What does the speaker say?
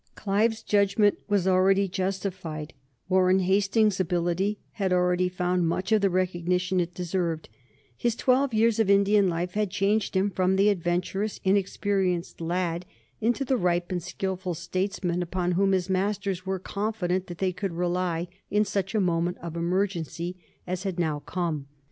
Clive's judgment was already justified: Warren Hastings's ability had already found much of the recognition it deserved; his twelve years of Indian life had changed him from the adventurous, inexperienced lad into the ripe and skilful statesman upon whom his masters were confident that they could rely in such a moment of emergency as had now come.